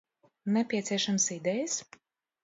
Nepieciešamas idejas?